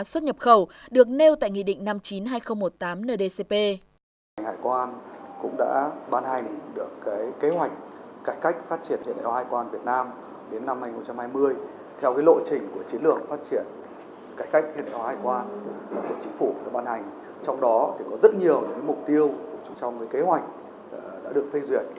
xuất nhập khẩu được nêu tại nghị định năm chín hai nghìn một mươi tám ndcp